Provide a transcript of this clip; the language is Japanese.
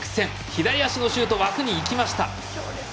左足のシュートが枠にいきました。